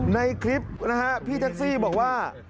ในคลิปนะฮะพี่แท็กซี่บอกว่า